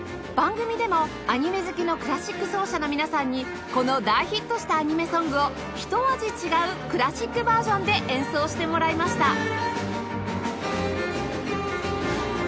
番組でもアニメ好きのクラシック奏者の皆さんにこの大ヒットしたアニメソングをひと味違うクラシックバージョンで演奏してもらいました